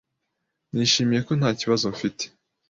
Nishimiye ko nta kibazo mfite.